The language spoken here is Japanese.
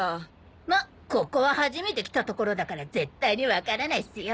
まっここは初めて来た所だから絶対にわからないっスよ。